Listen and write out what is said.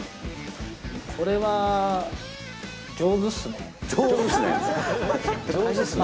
これは、上手っすね？